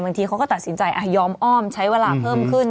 ทีเขาก็ตัดสินใจยอมอ้อมใช้เวลาเพิ่มขึ้น